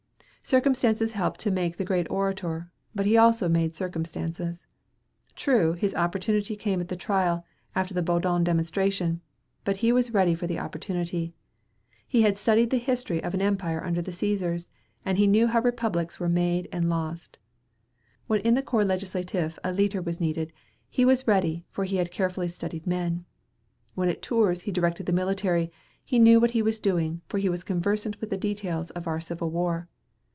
Circumstances helped to make the great orator, but he also made circumstances. True, his opportunity came at the trial, after the Baudin demonstration, but he was ready for the opportunity. He had studied the history of an empire under the Cæsars, and he knew how republics are made and lost. When in the Corps Legislatif a leader was needed, he was ready, for he had carefully studied men. When at Tours he directed the military, he knew what he was doing, for he was conversant with the details of our civil war.